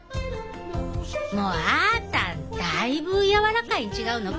もうあんたはだいぶ柔らかいん違うの？